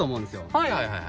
はいはいはいはい。